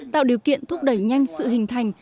tạo điều kiện thúc đẩy nhanh sự hình thành